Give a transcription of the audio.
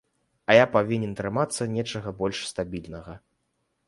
А я павінен трымацца нечага больш стабільнага.